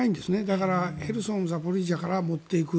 だから、ヘルソンザポリージャから持っていく。